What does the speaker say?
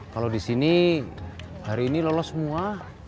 kalau di sini hari ini lolos semua